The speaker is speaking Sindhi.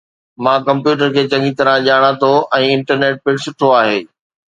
مان ڪمپيوٽر کي چڱي طرح ڄاڻان ٿو ۽ انٽرنيٽ پڻ سٺو آهي